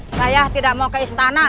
saya tidak mau ke istana